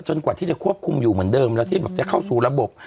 กว่าที่จะควบคุมอยู่เหมือนเดิมแล้วที่แบบจะเข้าสู่ระบบ